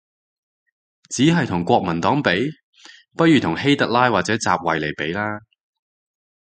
只係同國民黨比？，不如同希特拉或者習維尼比